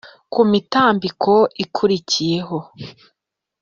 kumitambiko ikurikiyeho T